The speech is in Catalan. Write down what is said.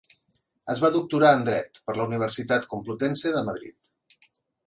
Es va doctorar en Dret per la Universitat Complutense de Madrid.